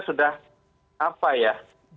sudah apa ya